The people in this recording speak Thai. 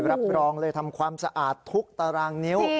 รับรองเลยทำความสะอาดทุกตารางนิ้ว